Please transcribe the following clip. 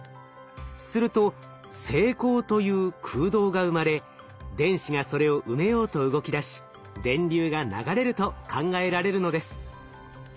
すると正孔という空洞が生まれ電子がそれを埋めようと動きだし電流が流れると考えられるのです。